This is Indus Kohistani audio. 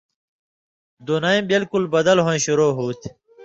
دُنَیں بالکل بدل ہُوئیں شروع ہُو تھی